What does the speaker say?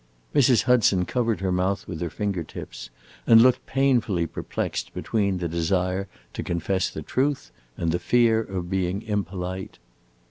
Mrs. Hudson covered her mouth with her finger tips and looked painfully perplexed between the desire to confess the truth and the fear of being impolite.